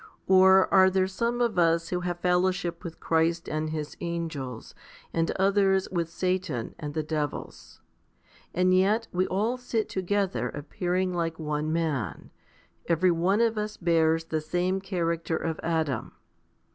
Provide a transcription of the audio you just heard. Or are there some of us who have fel lowship with Christ and His angels, and others with Satan and the devils? And yet we all sit together appearing 1 Luke xiv. i6ff. 122 FIFTY SPIRITUAL HOMILIES like one man ; every one of us bears the same character of Adam.